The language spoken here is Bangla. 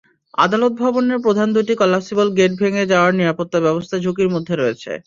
আদালত ভবনের প্রধান দুটি কলাপসিবল গেট ভেঙে যাওয়ায় নিরাপত্তাব্যবস্থা ঝুঁকির মধ্যে রয়েছে।